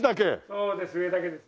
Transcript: そうです上だけです。